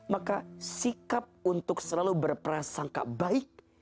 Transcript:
maka sikap untuk selalu berperasaan kebaik